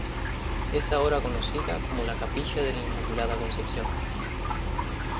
Es ahora conocida como la Capilla de la Inmaculada Concepción.